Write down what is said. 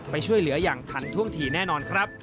ไปช่วยเหลืออย่างทันท่วงทีแน่นอนครับ